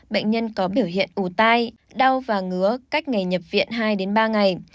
bệnh nhân có biểu hiện ủ tai đau và ngứa cách ngày nhập viện hai ba ngày